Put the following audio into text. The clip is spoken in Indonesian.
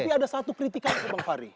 tapi ada satu kritikannya bang fahri